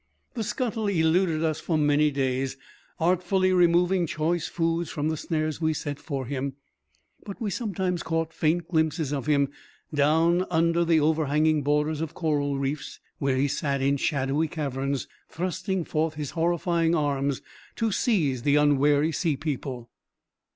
The scuttle eluded us for many days, artfully removing choice foods from the snares we set for him; but we sometimes caught faint glimpses of him down under the over hanging borders of coral reefs, where he sat in shadowy caverns, thrusting forth his horrifying arms to seize the unwary sea people.